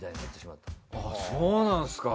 そうなんですか。